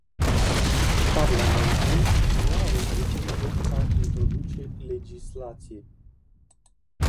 Parlamentul nu are dreptul de a introduce legislație.